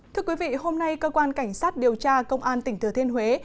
thưa quý vị hôm nay cơ quan cảnh sát điều tra công an tỉnh thừa thiên huế